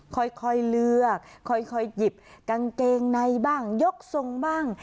ค่อยเลือกค่อยหยิบกางเกงในบ้างยกทรงบ้าง